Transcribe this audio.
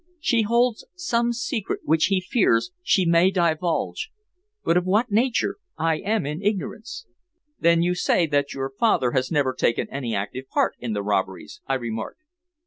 "She holds some secret which he fears she may divulge. But of what nature, I am in ignorance." "Then you say that your father has never taken any active part in the robberies?" I remarked.